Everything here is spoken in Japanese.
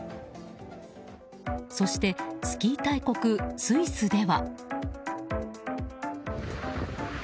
そしてスキー大国スイスでは。